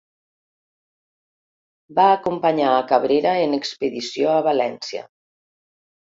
Va acompanyar a Cabrera en expedició a València.